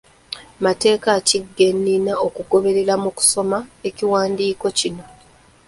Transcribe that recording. Mateeke ki ge nnina okugoberera mu kusoma ekiwandiiko kino?